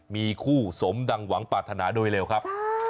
มีคู่สมดังหวังปรารถนาโดยเร็วครับ